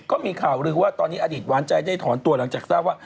ก็มีข่าวลือว่าตอนนี้อดีตหวานใจได้ถอนตัวหลังจากทราบว่า